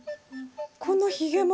このひげも？